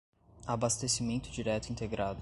abastecimento direto integrado